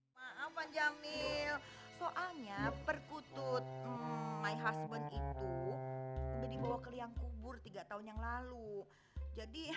maafan jamil soalnya perkutut my husband itu dibawa ke liang kubur tiga tahun yang lalu jadi